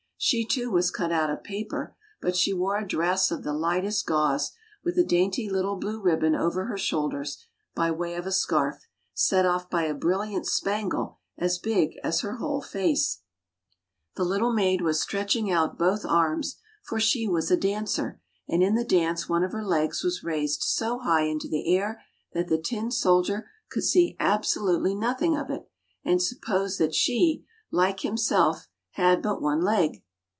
She, too, was cut out of paper, but she wore a dress of the lightest gauze, with a dainty little blue ribbon over her shoulders, by way of a scarf, set off by a brilliant spangle as big as her whole face. The little maid 93 94 ANDERSEN'S FAIRY TALES was stretching out both arms, for she was a dancer, and in the dance one of her legs was raised so high into the air that the tin soldier could see absolutely nothing of it, and supposed that she, like himself, had but one leg.